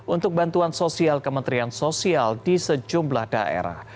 untuk bantuan sosial kementerian sosial di sejumlah daerah